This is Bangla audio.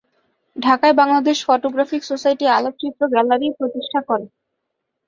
ঢাকায় বাংলাদেশ ফটোগ্রাফিক সোসাইটি আলোকচিত্র গ্যালারি প্রতিষ্ঠা করে।